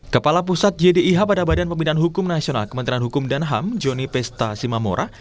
kepala pusat jdih pada badan pembinaan hukum nasional kementerian hukum dan ham joni pesta simamora